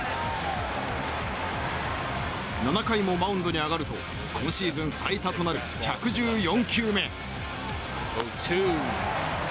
７回もマウンドに上がると今シーズン最多となる１１４球目。